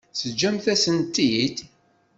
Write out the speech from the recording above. Teǧǧamt-asent-t-id?